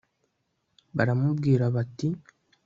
baramubwiraga bati